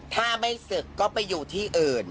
ถ้าไม่ศึกก็ไปอยู่ที่อื่น